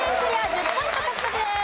１０ポイント獲得です。